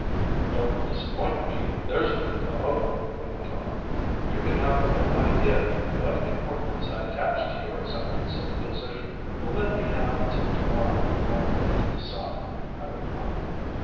"Don't disappoint me, there's a good fellow," he went on. "You can have no idea what importance I attach to your acceptance of the position." "Let me have until to morrow morning to decide," I replied.